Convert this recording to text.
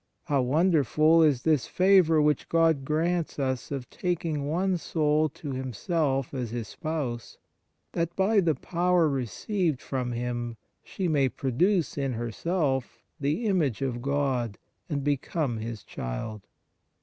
How wonderful is this favour which God grants us of taking one soul to Him self as His spouse, that by the power 1 Tr. 72 in Joannem. ON THE NATURE OF GRACE received from Him she may produce in herself the image of God and become His child